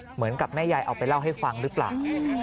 เหมือนกับแม่ยายเอาไปเล่าให้ฟังหรือเปล่า